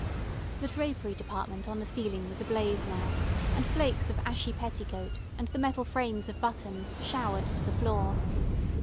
The drapery department on the ceiling was ablaze now, and flakes of ashy petticoat, and the metal frames of buttons, showered to the floor.